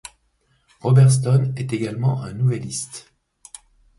Robert Stone est également un nouvelliste.